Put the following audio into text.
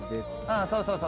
そうそうそう。